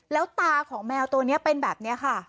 แล้วตาของแมวตัวนี้เป็นแบบนี้ค่ะ